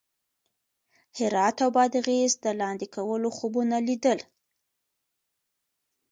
هرات او بادغیس د لاندې کولو خوبونه لیدل.